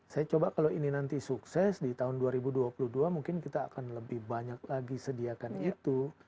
saya coba kalau ini nanti sukses di tahun dua ribu dua puluh dua mungkin kita akan lebih banyak lagi sediakan itu